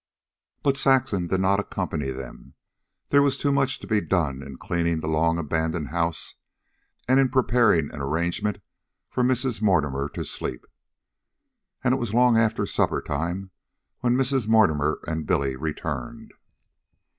But Saxon did not accompany them. There was too much to be done in cleaning the long abandoned house and in preparing an arrangement for Mrs. Mortimer to sleep. And it was long after supper time when Mrs. Mortimer and Billy returned.